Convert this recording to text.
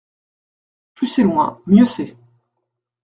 Plus c’est loin mieux c’est.